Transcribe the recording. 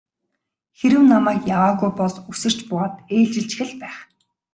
Хэрэв намайг яваагүй бол үсэрч буугаад ээлжилчих л байх.